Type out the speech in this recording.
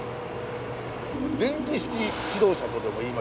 電気式気動車とでもいいましょうか。